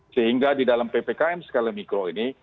sehingga di dalam ppkm skala mikro ini